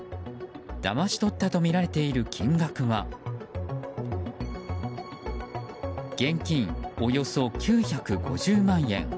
だまし取ったとみられている金額は現金およそ９５０万円。